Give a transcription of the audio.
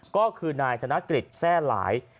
ก็คือนายธนกฤษแทร่หลาย